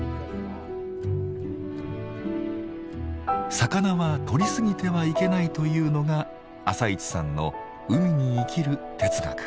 魚は獲りすぎてはいけないというのが朝市さんの海に生きる哲学。